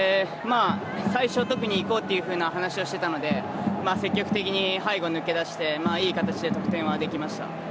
最初はいこうっていう話をしていたので積極的に背後を抜け出していい形で得点できました。